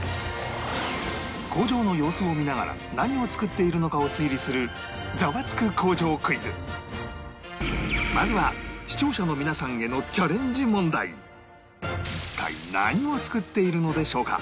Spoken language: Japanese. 工場の様子を見ながら何を作っているのかを推理するまずは視聴者の皆さんへの一体何を作っているのでしょうか？